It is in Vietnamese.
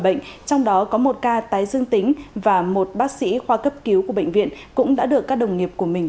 bệnh ba tái dương tính và một bác sĩ khoa cấp cứu của bệnh viện cũng đã được các đồng nghiệp của mình